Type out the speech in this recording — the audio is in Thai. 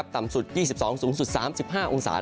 ต่ำสุด๒๒สูงสุด๓๕องศา